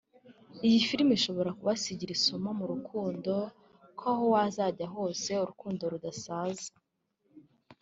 Iyi filime ishobora kubasigira isomo mu rukundo ko aho wazajya hose urukundo rudasaza